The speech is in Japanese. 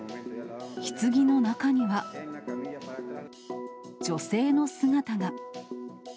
ひつぎの中には、女性の姿が。